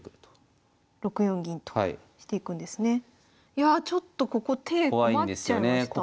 いやあちょっとここ手困っちゃいました。